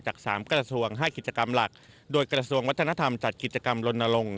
จากสามกระทรัศงศ์ห้ากิจกรรมหลักโดยกระทรัศงศ์วัฒนธรรมจัดกิจกรรมลนลง